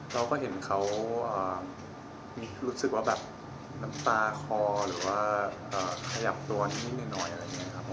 เราก็เห็นเขารู้สึกว่าแบบน้ำตาคอหรือว่าขยับตัวนิดหน่อยอะไรอย่างนี้ครับ